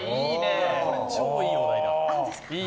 これ、超いいお題だ。